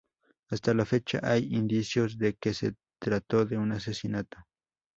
Hasta la fecha hay indicios de que se trató de un asesinato.